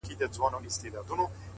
څوک به نو څه رنګه اقبا وویني ـ